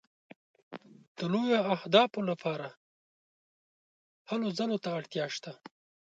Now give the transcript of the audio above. د لویو اهدافو لپاره هلو ځلو ته اړتیا شته.